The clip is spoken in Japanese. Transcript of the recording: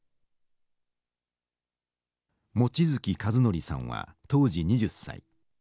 望月一訓さんは当時２０歳。